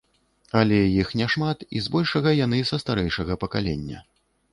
Але іх няшмат, і збольшага яны са старэйшага пакалення.